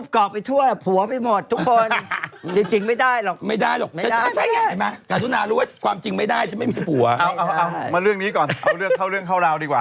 คนนู้นมาคนนี้ก็ไปหมด